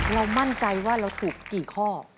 เรามั่นใจว่าเราถูกกี่ข้อ